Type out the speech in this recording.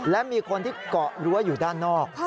และมีคนที่เกาะรั้วอยู่ด้านนอก